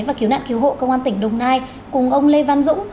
và cứu nạn cứu hộ công an tỉnh đồng nai cùng ông lê văn dũng